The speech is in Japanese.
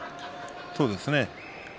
そうですね。